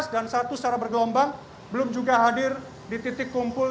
dan satu secara bergelombang belum juga hadir di titik kumpul